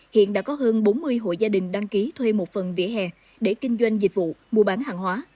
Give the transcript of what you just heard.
hiện đã có hơn bốn mươi hộ gia đình đăng ký thuê một phần vỉa hè để kinh doanh dịch vụ mua bán hàng hóa